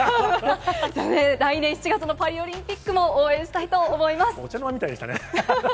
来年７月のパリオリンピックお茶の間みたいでしたね。